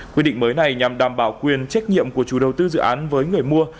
quy định mới này nhằm đảm bảo quyền trách nhiệm của chủ đầu tư dự án với người mua